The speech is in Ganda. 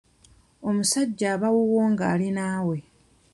Omusajja aba wuwo nga ali naawe.